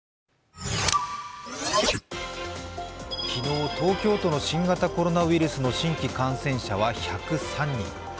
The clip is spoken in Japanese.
昨日、東京都の新型コロナウイルスの新規感染者は１０３人。